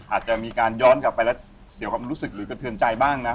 อาจจะมีการย้อนกลับไปแล้วเสียความรู้สึกหรือกระเทือนใจบ้างนะ